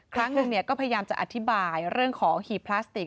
ครั้งหนึ่งก็พยายามจะอธิบายเรื่องของหีบพลาสติก